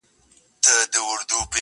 د هغه نثر له نورو څخه بېل رنګ لري تل,